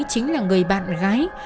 chính là người bạn gái